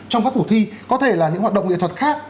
trong các cuộc thi có thể là những hoạt động nghệ thuật khác